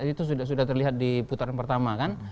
itu sudah terlihat di putaran pertama kan